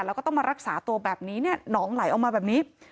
เราก็ต้องมารักษาตัวแบบนี้หนองไหลออกมาแบบนี้